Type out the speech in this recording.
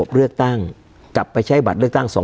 การแสดงความคิดเห็น